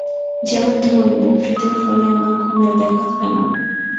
যেমন ধরুন, বক্তৃতার ফলে আমার ঘুমের ব্যাঘাত হয় না।